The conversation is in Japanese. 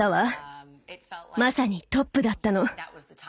まさにトップだったの。